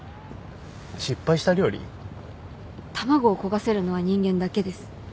卵を焦がせるのは人間だけです。